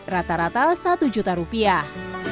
rata rata satu juta rupiah